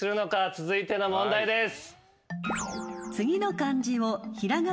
続いての問題です。